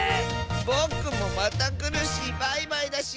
ぼくもまたくるしバイバイだし！